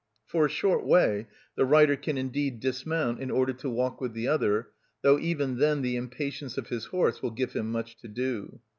For a short way the rider can indeed dismount, in order to walk with the other, though even then the impatience of his horse will give him much to do.